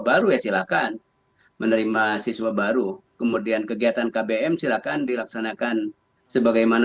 baru ya silakan menerima siswa baru kemudian kegiatan kbm silahkan dilaksanakan sebagaimana